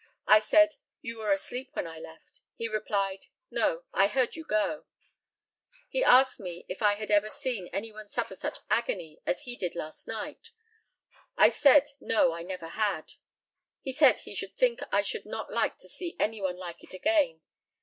I said, "You were asleep when I left." He replied, "No, I heard you go." He asked me if I had ever seen any one suffer such agony as he did last night? I said, no, I never had. He said he should think I should not like to see any one like it again.